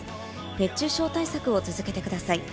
熱中症対策を続けてください。